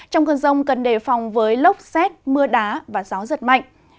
trong cơn rông cần đề phòng với lốc xét mưa đá và gió giật mạnh